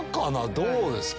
どうですか。